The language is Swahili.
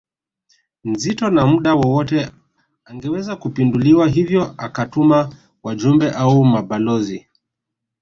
nzito na muda wowote angeweza kupinduliwa hivyo akatuma wajumbe au mabalozi